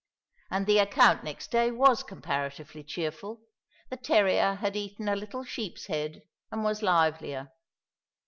And the account next day was comparatively cheerful; the terrier had eaten a little sheep's head and was livelier.